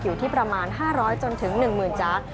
อยู่ที่ประมาณ๕๐๐จนถึง๑๐๐๐จาร์ด